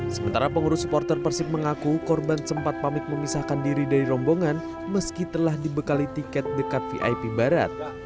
sementara pengurus supporter persib mengaku korban sempat pamit memisahkan diri dari rombongan meski telah dibekali tiket dekat vip barat